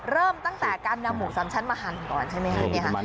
เริ่มตั้งแต่การนำหมูสำชันมาหั่นของอุดอนใช่ไหมครับ